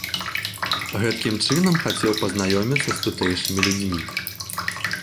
Гэткім чынам хацеў пазнаёміцца з тутэйшымі людзьмі.